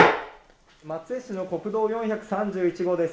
松江市の国道４３１号です。